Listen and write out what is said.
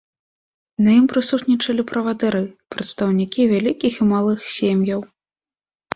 На ім прысутнічалі правадыры, прадстаўнікі вялікіх і малых сем'яў.